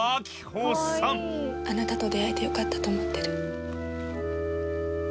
「あなたと出会えてよかったと思ってる」